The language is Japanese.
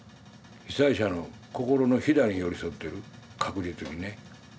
被災者の心のひだに寄り添ってる確実にね。